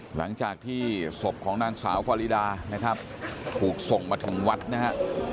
หลังจากที่ศพของนางสาวฟารีดานะครับถูกส่งมาถึงวัดนะฮะ